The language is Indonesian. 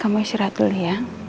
kamu istirahat dulu ya